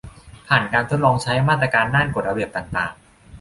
ผ่านการทดลองใช้ มาตรการด้านกฎระเบียบต่างต่าง